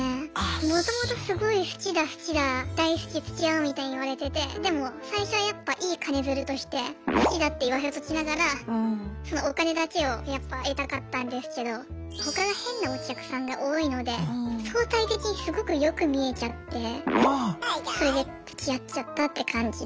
もともとすごい好きだ好きだ大好きつきあおうみたいに言われててでも最初はやっぱいい金づるとして好きだって言わせときながらお金だけを得たかったんですけど他が変なお客さんが多いので相対的にすごくよく見えちゃってそれでつきあっちゃったって感じで。